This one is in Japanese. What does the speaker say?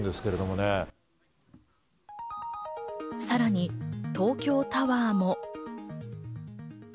さらに東京タワーも。